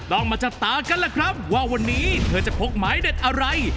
ต้องมาจับตากันล่ะครับว่าวันนี้เธอจะพกหมายเด็ดอะไร